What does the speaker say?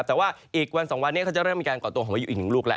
แต่ว่าอีกวันสองวันนี้เขาจะเริ่มการก่อตัวเก้าอีกหนึ่งลูก